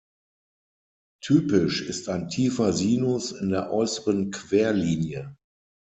Typisch ist ein tiefer Sinus in der äußeren Querlinie.